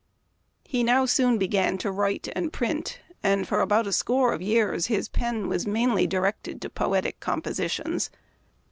He now soon began to write and print, and for about a score of years his pen was mainly directed to poetic compositions.